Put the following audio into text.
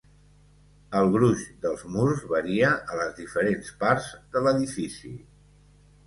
El gruix dels murs varia a les diferents parts de l'edifici.